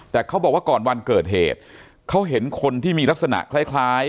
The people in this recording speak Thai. แต่เขาบอกว่าก่อนวันเกิดเหตุเขาเห็นคนที่มีลักษณะคล้าย